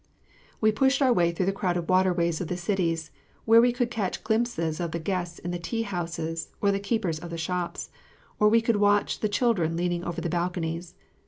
We pushed our way through the crowded water ways of the cities, where we could catch glimpses of the guests in the tea houses or the keepers of the shops, or could watch the children leaning over the balconies.